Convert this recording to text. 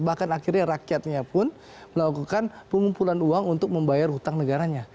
bahkan akhirnya rakyatnya pun melakukan pengumpulan uang untuk membayar hutang negaranya